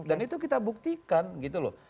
dan itu kita buktikan gitu loh